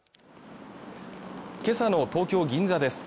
けさの東京銀座です